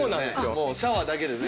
もうシャワーだけでね。